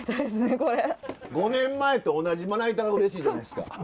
５年前と同じまな板がうれしいじゃないですか。